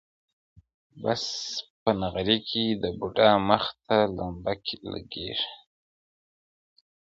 بس په نغري کي د بوډا مخ ته لمبه لګیږي-